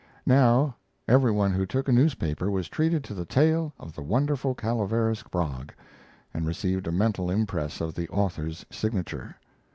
Now every one who took a newspaper was treated to the tale of the wonderful Calaveras frog, and received a mental impress of the author's signature.